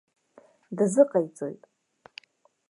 Дазыҟаиҵоит.